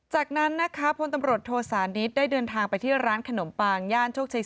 จากนั้นพลตบรรทศานิษฐ์ได้เดินทางไปที่ร้านขนมปังย่านโชคชัย๔